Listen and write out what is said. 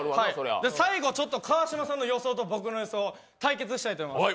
最後、川島さんの予想と僕の予想、対決したいと思います。